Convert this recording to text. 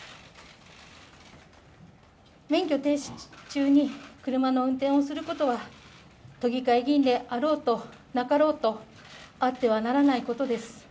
免許停止中に車の運転をすることは都議会議員であろうとなかろうとあってはならないことです。